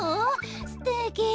すてき。